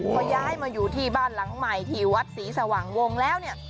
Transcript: พอย้ายมาอยู่ที่บ้านหลังใหม่ที่วัดศรีสว่างวงแล้วเนี่ย